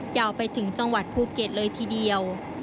ยาวไปถึงจังหวัดภูเก็ตเลยทีเดียว